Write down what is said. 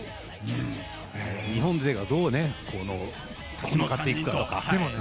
日本勢がどう立ち向かっていくかですね。